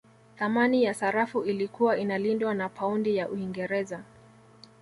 Thamani ya sarafu ilikuwa inalindwa na paundi ya Uingereza